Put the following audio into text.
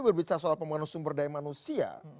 berbicara soal pembangunan sumber daya manusia